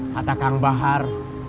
kata kang bahar